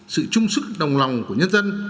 sự chung sức đồng lòng của nhân dân